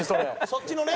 そっちのね。